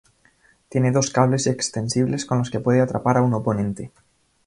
Tiene dos cables extensibles con los que puede atrapar a un oponente.